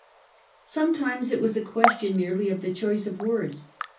Sometimes it was a question merely of the choice of words.